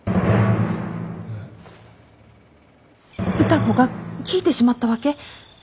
歌子が聞いてしまったわけ。